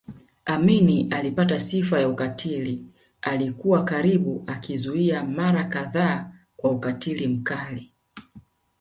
Amin alipata sifa ya ukatili alikuwa karibu akizuia mara kadhaa kwa ukatili mkali